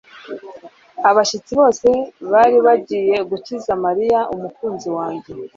Abashyitsi bose bari bagiye gukiza Mariya, umukunzi wanjye